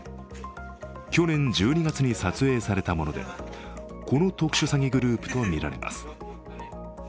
去年１２月に撮影されたものでこの特殊詐欺グループとみられます。